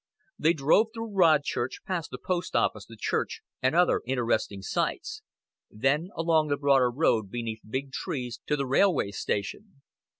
They drove through Rodchurch, past the post office, the church, and other interesting sights; then along the broader road beneath big trees, to the railway station.